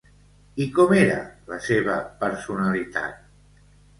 I com era la seva personalitat?